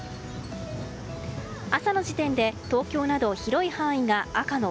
朝の時点で東京など広い範囲が赤の